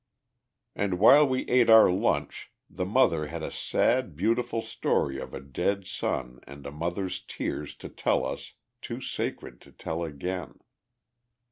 And while we ate our lunch, the mother had a sad, beautiful story of a dead son and a mother's tears to tell us, too sacred to tell again.